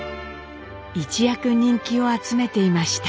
一躍人気を集めていました。